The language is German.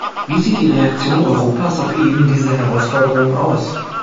Wie sieht die Reaktion Europas auf ebendiese Herausforderungen aus?